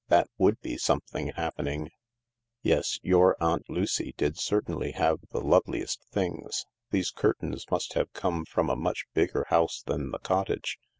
That would be something happening. ,," Yes. Your Aunt Lucy did certainly have the loveliest things. These curtains must have come from a much bigger house than the cottage.